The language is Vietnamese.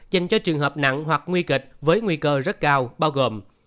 dành cho trường hợp nặng hoặc nguy kịch với nguy cơ rất cao bao gồm